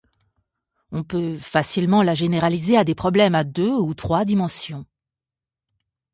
On peut facilement la généraliser à des problèmes à deux ou trois dimensions.